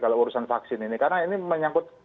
kalau urusan vaksin ini karena ini menyangkut